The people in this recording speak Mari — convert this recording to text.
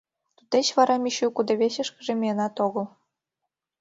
Туддеч вара Мичу кудывечышкыже миенат огыл.